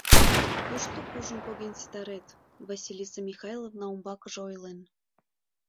— Кушто пужым поген ситарет, — Василиса Михайловна умбакыже ойлен.